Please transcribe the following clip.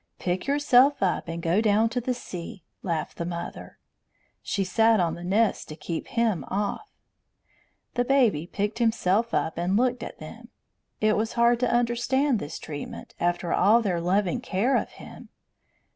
"Pick yourself up and go down to the sea," laughed the mother. She sat on the nest to keep him off. The baby picked himself up and looked at them. It was hard to understand this treatment, after all their loving care of him.